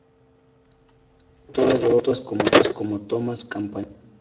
Es autora de obras como "Thomas Campanella.